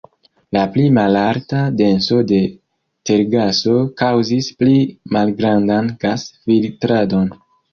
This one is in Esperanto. La pli malalta denso de tergaso kaŭzis pli malgrandan gas-filtradon.